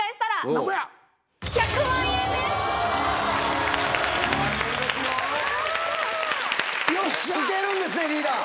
なんぼや⁉いけるんですねリーダー。